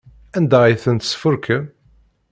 Anda ay tent-tesfurkem?